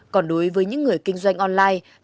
còn đối với những người kinh doanh online